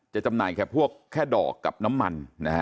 จำหน่ายแค่พวกแค่ดอกกับน้ำมันนะฮะ